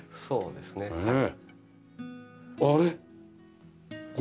そうですねはい。